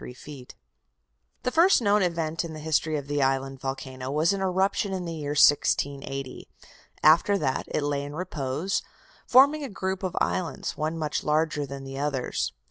The first known event in the history of the island volcano was an eruption in the year 1680. After that it lay in repose, forming a group of islands, one much larger than the others.